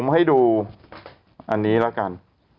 ให้ดูอันนี้ละกัน